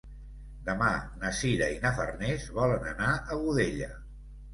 Demà na Sira i na Farners volen anar a Godella.